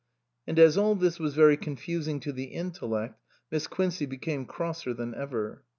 And as all this was very confusing to the intellect Miss Quincey became crosser than ever.